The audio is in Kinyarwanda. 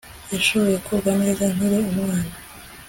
Nashoboye koga neza nkiri umwana